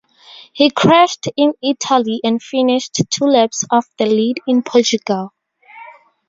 He crashed in Italy, and finished two laps off the lead in Portugal.